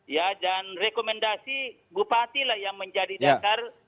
ya dan rekomendasi bupati lah yang menjadi dasar